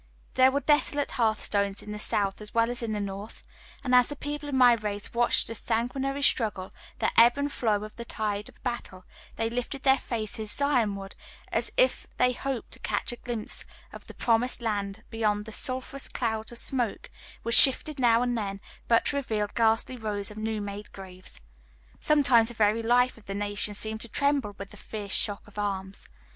There were desolate hearthstones in the South as well as in the North, and as the people of my race watched the sanguinary struggle, the ebb and flow of the tide of battle, they lifted their faces Zionward, as if they hoped to catch a glimpse of the Promised Land beyond the sulphureous clouds of smoke which shifted now and then but to reveal ghastly rows of new made graves. Sometimes the very life of the nation seemed to tremble with the fierce shock of arms.